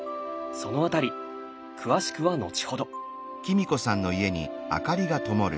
その辺り詳しくは後ほど。